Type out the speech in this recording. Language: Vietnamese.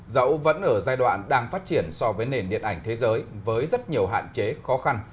dẫu vẫn ở giai đoạn đang phát triển so với nền điện ảnh thế giới với rất nhiều hạn chế khó khăn